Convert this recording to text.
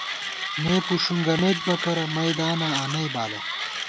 مے پُݭونگمېت بہ کرہ، میداناں آنئ بالہ